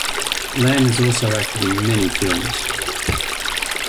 Lam has also acted in many films.